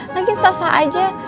lagian sasa aja